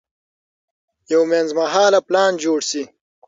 یو منځمهاله پلان جوړ شي.